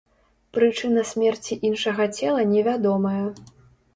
Прычына смерці іншага цела невядомая.